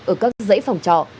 ở các dãy phòng trọ